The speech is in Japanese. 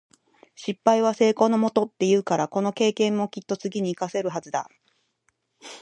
「失敗は成功のもと」って言うから、この経験もきっと次に活かせるはずだ。